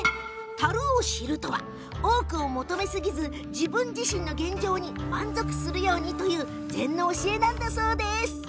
足るを知るとは多くを求めすぎず自分自身の現状に満足するという禅の教えなんだそうです。